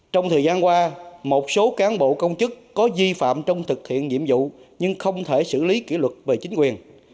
trong thời gian qua một số cán bộ công chức có di phạm trong thực hiện nhiệm vụ nhưng không thể xử lý kỷ luật về chính quyền